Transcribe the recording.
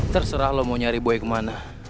terserah lo mau nyari boy ke mana